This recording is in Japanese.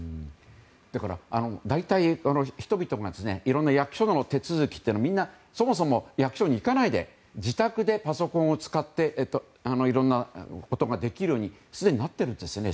だから大体人々がいろんな役所の手続きというのをみんな役所に行かないで自宅でパソコンを使っていろんなことができるようにすでになっているんですね。